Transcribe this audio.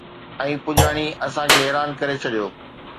۽ پڄاڻي اسان کي حيران ڪري ڇڏيو